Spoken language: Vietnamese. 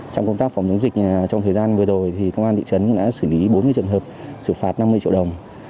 trong công tác phòng chống dịch trong thời gian vừa rồi thì công an thị trấn đã xử lý bốn mươi trường hợp xử phạt năm mươi triệu đồng